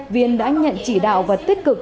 viên đã nhận chỉ đạo và tích cực